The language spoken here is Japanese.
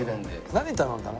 何頼んだの？